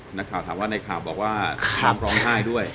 นักข่าวถามว่าในข่าวบอกว่าห้ามร้องไห้ด้วย